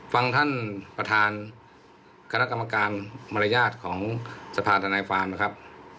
ฟังท่านประธานการักษ์กรรมการมารยาทของสภาทนายฟานนะครับ